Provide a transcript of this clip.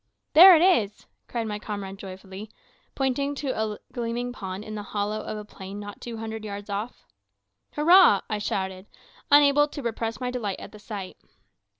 "There it is," cried my comrade joyfully, pointing to a gleaming pond in a hollow of the plain not two hundred yards off. "Hurrah!" I shouted, unable to repress my delight at the sight.